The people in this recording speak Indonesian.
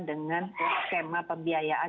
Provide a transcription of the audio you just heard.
dengan skema pembiayaan